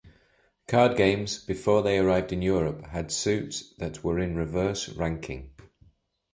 Card games, before they arrived in Europe, had suits that were in reverse ranking.